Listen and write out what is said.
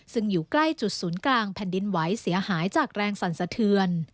ซึ่งอยู่ใกล้จุดศูนย์กลางแผ่นดินไหวเสียหายจากแรงสั่นสะเทือน